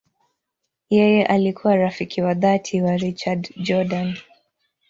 Yeye alikuwa rafiki wa dhati wa Richard Jordan.